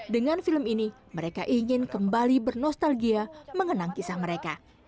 dengan film ini mereka ingin kembali bernostalgia mengenang kisah mereka